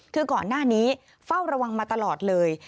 คือก่อนหน้านี้เฝ้าระวังมาตลอดเลย